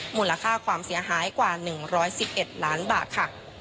หมุนราคาความเสียหายกว่า๑๑๑ล้านบาท